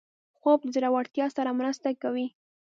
خوب د زړورتیا سره مرسته کوي